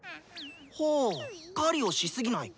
ほぅ「狩りをしすぎない」？